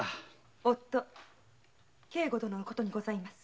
夫・圭吾殿のことにございます。